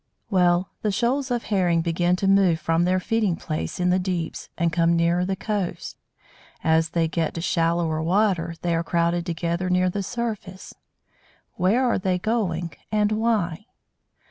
Well, the shoals of Herring begin to move from their feeding place in the deeps, and come nearer the coast. As they get to shallower water they are crowded together near the surface. Where are they going, and why?